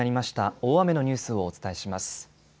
大雨のニュースをお伝えします。